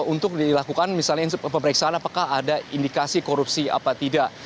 untuk dilakukan pemeriksaan apakah ada indikasi korupsi atau tidak